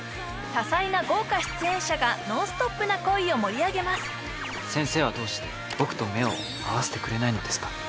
多彩な豪華出演者がノンストップな恋を盛り上げます先生はどうして僕と目を合わせてくれないのですか？